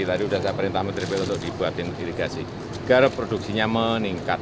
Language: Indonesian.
tadi sudah saya perintah menteri pertama untuk dibuatkan irigasi agar produksinya meningkat